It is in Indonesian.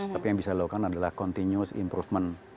tapi yang bisa dilakukan adalah continuous improvement